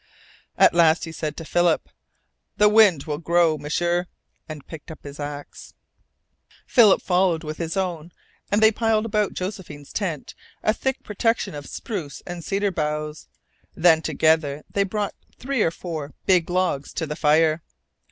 At last he said to Philip: "The wind will grow, M'sieur," and picked up his axe. Philip followed with his own, and they piled about Josephine's tent a thick protection of spruce and cedar boughs. Then together they brought three or four big logs to the fire.